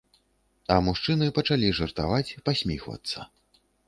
А мужчыны пачалі жартаваць, пасміхвацца.